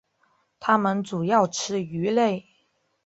它们主要吃鱼类。